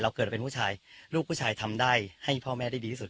เกิดเราเป็นผู้ชายลูกผู้ชายทำได้ให้พ่อแม่ได้ดีที่สุด